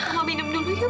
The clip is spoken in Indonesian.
mama minum dulu ya ma